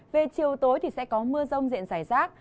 về chiều tối thì sẽ có mưa rông diện rải rác